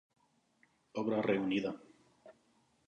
Obra reunida.